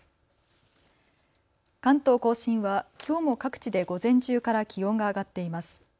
関東甲信はきょうも各地で午前中から気温が上がっています。